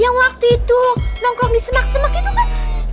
yang waktu itu nongkrong di semak semak itu kan